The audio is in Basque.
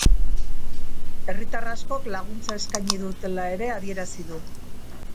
Herritar askok laguntza eskaini dutela ere adierazi du.